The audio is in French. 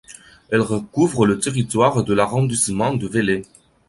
Elle recouvre le territoire de l'arrondissement de Vélé.